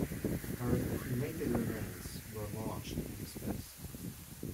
Her cremated remains were launched into space.